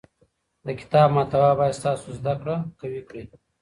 د کتاب محتوا باید ستاسو زده کړه قوي کړي.